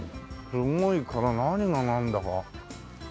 すごいから何がなんだか。